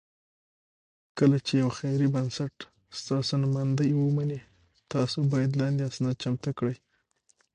کله چې یو خیري بنسټ ستاسو نوماندۍ ومني، تاسو باید لاندې اسناد چمتو کړئ: